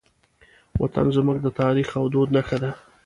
وطن زموږ د تاریخ او دود نښه ده.